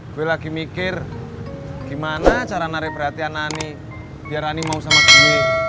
gue lagi mikir gimana cara narik perhatian ani biar ani mau sama kami